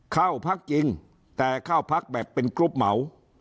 เข้าพักจริงแต่เข้าพักแบบเป็นกรุ๊ปเหมา